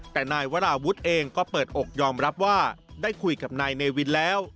แต่นายวราวุฒิเองก็เปิดอกยอมรับว่าได้คุยกับนายเนวินแล้ว